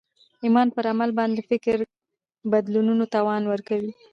ایمان پر عمل باندې د فکر بدلولو توان ورکوي